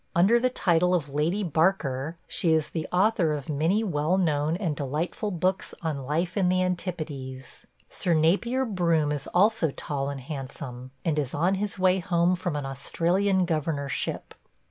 Under the title of Lady Barker, she is the author of many well known and delightful books on life in the Antipodes. Sir Napier Broome is also tall and handsome, and is on his way home from an Australian governorship.